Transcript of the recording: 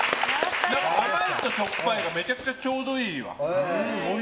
甘いとしょっぱいがめちゃくちゃちょうどいいわ。